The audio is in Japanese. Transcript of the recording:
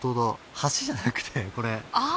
橋じゃなくてこれ階段？